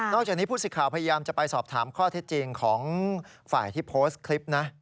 จากนี้ผู้สิทธิ์ข่าวพยายามจะไปสอบถามข้อเท็จจริงของฝ่ายที่โพสต์คลิปนะ